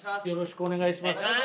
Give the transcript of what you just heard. よろしくお願いします。